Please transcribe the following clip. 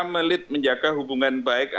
melit menjaga hubungan baik